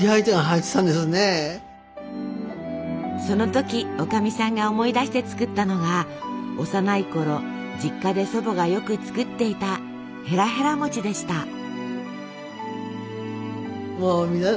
その時おかみさんが思い出して作ったのが幼いころ実家で祖母がよく作っていたへらへら餅でした。